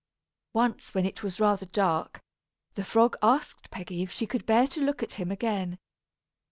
Once when it was rather dark, the frog asked Peggy if she could bear to look at him again.